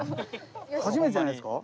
初めてじゃないですか？